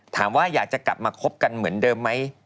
ถามว่าอยากจะกลับมาคบกันเหมือนเดิมไหม